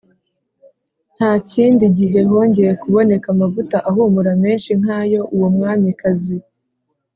Nta kindi gihe hongeye kuboneka amavuta ahumura menshi nk ayo uwo mwamikazi